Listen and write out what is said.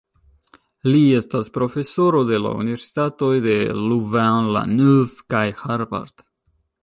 Li estas profesoro de la universitatoj de Louvain-la-Neuve kaj Harvard.